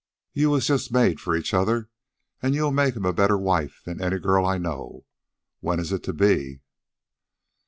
You was just made for each other, an' you'll make him a better wife than any girl I know. When is it to be?"